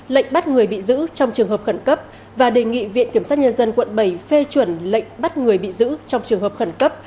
lệnh bắt người bị giữ trong trường hợp khẩn cấp và đề nghị viện kiểm sát nhân dân quận bảy phê chuẩn lệnh bắt người bị giữ trong trường hợp khẩn cấp